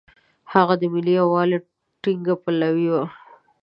هغه د ملي یووالي ټینګ پلوی و.